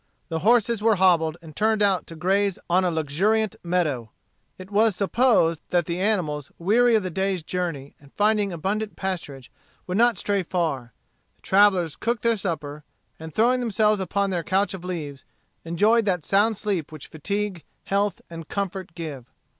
The horses were hobbled and turned out to graze on a luxuriant meadow. It was supposed that the animals, weary of the day's journey, and finding abundant pasturage, would not stray far. The travellers cooked their supper, and throwing themselves upon their couch of leaves, enjoyed that sound sleep which fatigue, health, and comfort give.